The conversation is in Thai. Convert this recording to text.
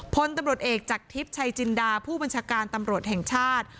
พลตำรวจเอกจากทิพย์ชัยจินดาผู้บัญชาการตำรวจแห่งชาติ